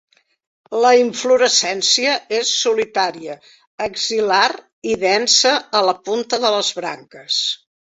La inflorescència és solitària, axil·lar i densa a la punta de les branques.